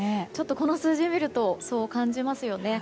この数字を見るとそう感じますよね。